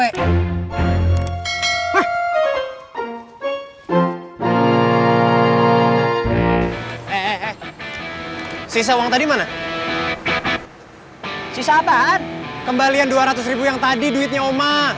eh eh eh sisa uang tadi mana si sahabat kembalian dua ratus yang tadi duitnya oma